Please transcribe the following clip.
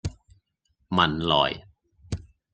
汶萊